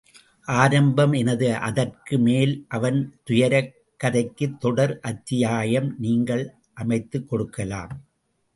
ஆரம்பம் எனது அதற்கு மேல் அவன் துயரக் கதைக்குத்தொடர் அத்தியாயம் நீங்கள் அமைத்துக் கொடுக்கலாம்.